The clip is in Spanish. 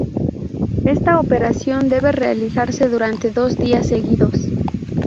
Esta operación debe realizarse durante dos días seguidos.